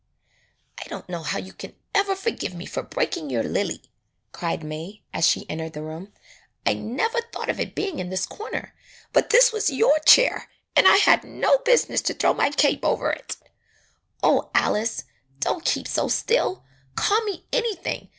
"I don't know how you can ever forgive me for breaking your lily," cried May as she entered the room. "I never thought of it being in this corner. But this was your chair and I had no business to throw my cape over it. Oh, Alice, don't keep so still. Call me anything!